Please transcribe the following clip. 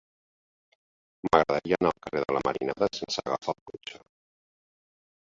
M'agradaria anar al carrer de la Marinada sense agafar el cotxe.